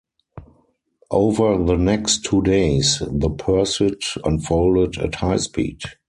Over the next two days the pursuit unfolded at high speed.